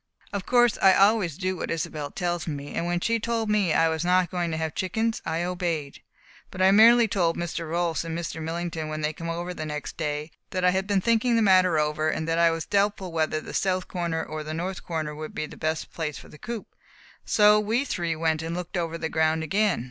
Of course, I always do what Isobel tells me, and when she told me I was not going to have chickens, I obeyed. But I merely told Mr. Rolfs and Mr. Millington when they came over the next day, that I had been thinking the matter over and that I was doubtful whether the south corner or the north corner would be the best place for the coop. So we three went and looked over the ground again.